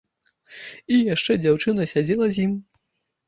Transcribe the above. І яшчэ дзяўчына сядзела з ім.